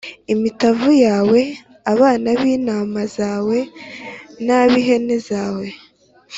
imitavu yawe, abana b’intama zawe n’ab’ihene zawe+